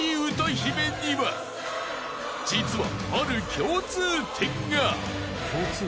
［実は］